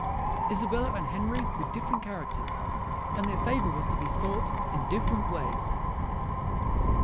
Isabella and Henry were different characters, and their favour was to be sought in different ways.